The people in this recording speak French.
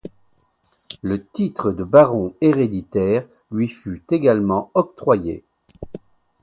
Le titre de baron héréditaire lui fut également octroyé.